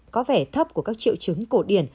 có vẻ thấp của các triệu chứng cổ điển